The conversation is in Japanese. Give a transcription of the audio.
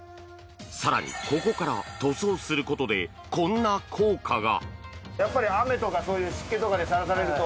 更にここから塗装することでこんな効果が。